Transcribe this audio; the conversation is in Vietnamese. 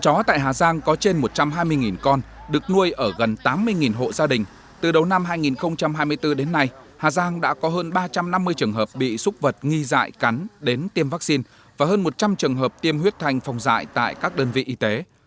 chó tại hà giang có trên một trăm hai mươi con được nuôi ở gần tám mươi hộ gia đình từ đầu năm hai nghìn hai mươi bốn đến nay hà giang đã có hơn ba trăm năm mươi trường hợp bị súc vật nghi dại cắn đến tiêm vaccine và hơn một trăm linh trường hợp tiêm huyết thanh phòng dại tại các đơn vị y tế